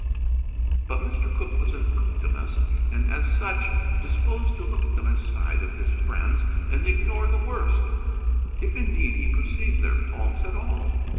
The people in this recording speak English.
But Mr. Cooke was an optimist, and as such disposed to look at the best side of his friends and ignore the worst; if, indeed, he perceived their faults at all.